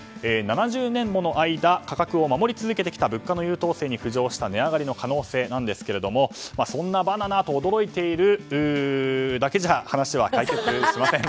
７０年もの間価格を守り続けてきた物価の優等生に浮上した値上がりの可能性なんですがそんなバナナと驚いているだけじゃ話は解決しません。